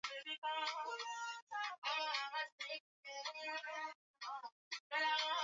mchezaji wa zamani aliyekuwa anakipiga na klabu ya real madrid livo shako